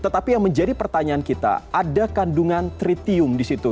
tapi yang menjadi pertanyaan kita ada kandungan tritium disitu